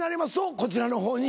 こちらの方に。